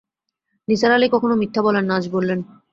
নিসার আলি কখনো মিথ্যা বলেন না-আজ বললেন।